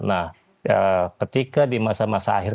nah ketika di masa masa akhir